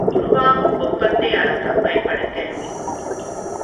உருவாகும் வெப்பத்தை அளக்கப் பயன்படுங் கருவி.